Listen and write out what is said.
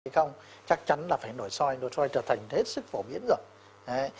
không chắc chắn là phải nổi soi nổi soi trở thành hết sức phổ biến rồi